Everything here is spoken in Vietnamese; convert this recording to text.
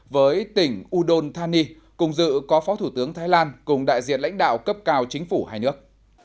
với tỉnh udon thani cùng dự có phó thủ tướng thái lan cùng đại diện lãnh đạo cấp cao chính phủ hai nước